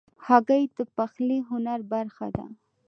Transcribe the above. هګۍ د پخلي هنر برخه ده.